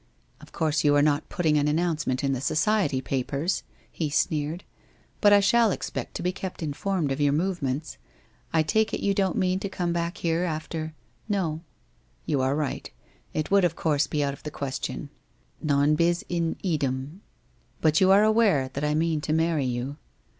' Of course you are not putting an announcement in the society papers !' He sneered. ' But I shall expect to be kept informed of your movements. I take it you don't mean to come back here after '' Xo.' ' You are right. It would of course be out of the ques tion. Non bis in idem. But you are aware that I mean to marry you.'